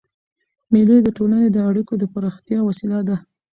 مېلې د ټولني د اړیکو د پراختیا وسیله ده.